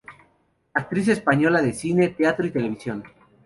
Actriz española de cine, teatro y televisión.